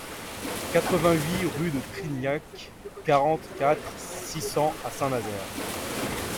quatre-vingt-huit rue de Trignac, quarante-quatre, six cents à Saint-Nazaire